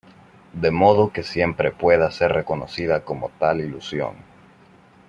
De modo que siempre pueda ser reconocida como tal ilusión.